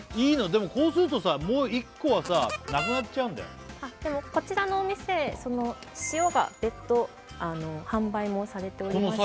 でもこうするとさもう一個はさなくなっちゃうんだよでもこちらのお店塩が別途販売もされております